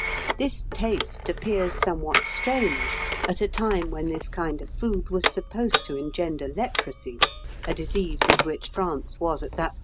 This taste appears somewhat strange at a time when this kind of food was supposed to engender leprosy, a disease with which France was at that time overrun.